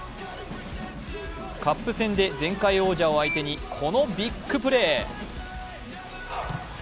カップ戦で、前回王者を相手にこのビッグプレー。